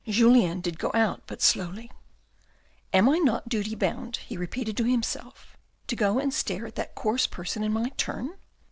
Julien did go out, but slowly. " Am I not in duty bound, he repeated to himself, to go and stare at that coarse person in my turn